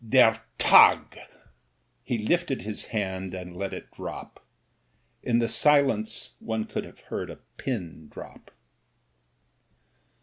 Der Tag.'* He lifted his hand and let it drop; in the silence one could have heard a pin drop.